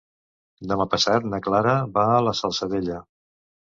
Demà passat na Clara va a la Salzadella.